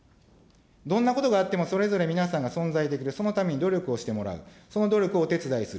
どんなことがあってもそれぞれ皆さんが存在できる、そのために努力をしてもらう、その努力をお手伝いする。